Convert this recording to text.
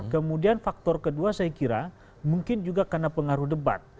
kemudian faktor kedua saya kira mungkin juga karena pengaruh debat